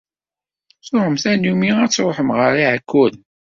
Tuɣem tanumi ad truḥem ɣer Iɛekkuren?